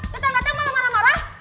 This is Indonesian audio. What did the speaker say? datang datang malah marah marah